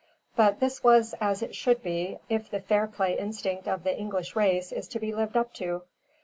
But this was as it should be, if the fair play instinct of the English race is to be lived up to.